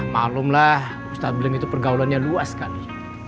malumlah ustadz uling itu pergaulannya luas sekali